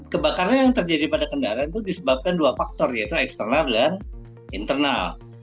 kebakaran yang terjadi pada kendaraan itu disebabkan dua faktor yaitu eksternal dan internal